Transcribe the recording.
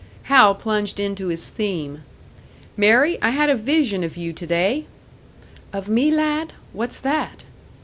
Hal plunged into his theme. "Mary, I had a vision of you to day!" "Of me, lad? What's that?"